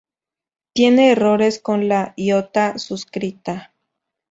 Tiene errores con la iota suscrita.